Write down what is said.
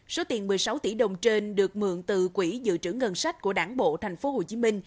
số tiền một mươi sáu tỷ đồng trên được mượn từ quỹ dự trữ ngân sách của đảng bộ tp hcm